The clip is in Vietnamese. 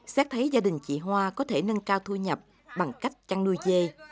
xét thấy gia đình chị hoa có thể nâng cao thu nhập bằng cách chăn nuôi dê